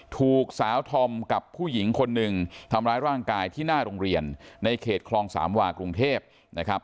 ถูกสาวธอมกับผู้หญิงคนหนึ่งทำร้ายร่างกายที่หน้าโรงเรียนในเขตคลองสามวากรุงเทพนะครับ